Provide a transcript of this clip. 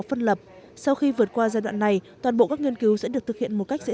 phân lập sau khi vượt qua giai đoạn này toàn bộ các nghiên cứu sẽ được thực hiện một cách dễ